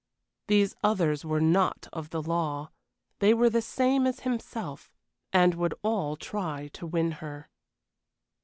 These others were not of the law they were the same as himself and would all try to win her.